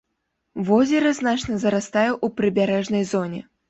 Возера значна зарастае ў прыбярэжнай зоне.